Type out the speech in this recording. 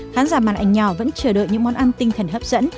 khán giả màn ảnh nhỏ vẫn chờ đợi những món ăn tinh thần hấp dẫn